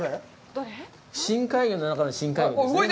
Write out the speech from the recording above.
深海魚の中の深海魚ですね。